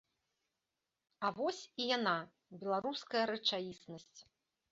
А вось і яна, беларуская рэчаіснасць.